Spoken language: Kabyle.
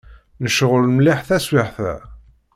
Necɣel mliḥ taswiɛt-a.